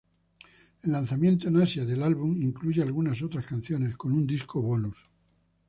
El lanzamiento en Asia del álbum incluye algunas otras canciones, con un disco bonus.